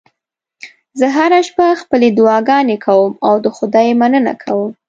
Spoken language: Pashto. زه هره شپه خپلې دعاګانې کوم او د خدای مننه کوم